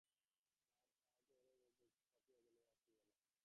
আর আজ– ওরে, আজ বুক ফাটিয়া গেলেও সে আসিবে না।